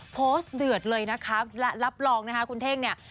โพสต์เดือดเลยนะครับและรับรองนะคะคุณเท่งเนี้ย